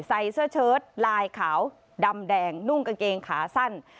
ใส่เสื้อเชิดลายขาวดำแดงนุ่งกางเกงขาสั้น